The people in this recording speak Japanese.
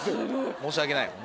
申し訳ない。